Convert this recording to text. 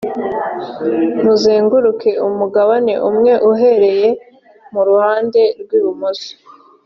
muzenguruke umugabane umwe uhereye mu ruhande rwibumoso.